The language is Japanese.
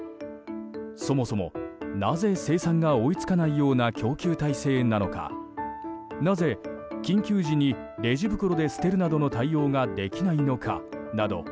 そもそもなぜ生産が追い付かないような供給体制なのかなぜ緊急時にレジ袋で捨てるなどの対応ができないのかなど